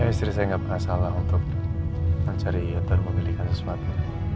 ya istri saya gak pernah salah untuk mencari atau membelikan sesuatu